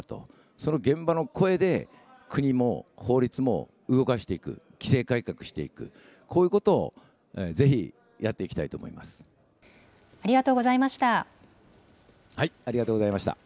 その現場の声で国も法律も動かしていく、規制改革していく、こういうことをぜひ、ありがとうございました。